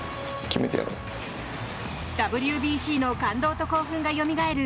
ＷＢＣの感動と興奮がよみがえる